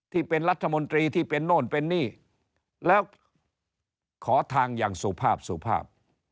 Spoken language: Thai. ที่เป็นรัฐมนตรีที่เป็นโน่นเป็นนี่แล้วขอทางอย่างสุภาพสุภาพ